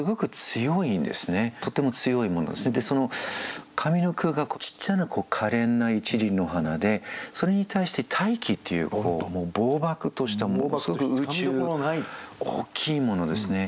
とっても強いもので上の句がちっちゃなかれんな１輪の花でそれに対して「大気」っていうもうぼう漠としたすごく宇宙大きいものですね。